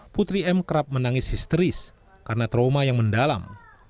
putri m kerap menangis histeris karena trauma yang mendalam